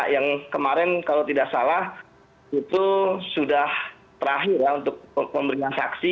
yang kemarin kalau tidak salah itu sudah terakhir ya untuk memberikan saksi